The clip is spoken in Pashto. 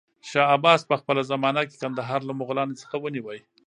شاه عباس په خپله زمانه کې کندهار له مغلانو څخه ونيو.